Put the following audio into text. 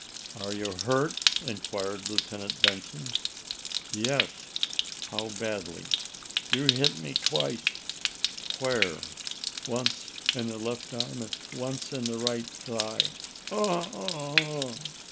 "Are your hurt?" inquired Lieutenant Benson. "Yes." "How badly?" "You hit me twice." "Where?" "Once in the left arm; once in the right thigh. O o o h!"